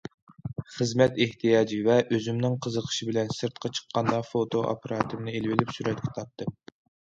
خىزمەت ئېھتىياجى ۋە ئۆزۈمنىڭ قىزىقىشى بىلەن سىرتقا چىققاندا فوتو ئاپپاراتىمنى ئېلىۋېلىپ سۈرەتكە تارتتىم.